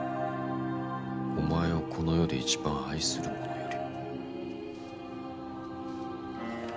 「お前をこの世で一番愛する者より」